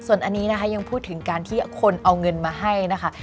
ส่วนอันนี้นะคะยังพูดถึงการที่คนเอาเงินมาให้นะคะ